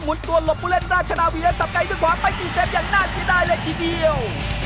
ตัวหลบผู้เล่นราชนาวีสับไกลด้วยขวาไปตีเซฟอย่างน่าเสียดายเลยทีเดียว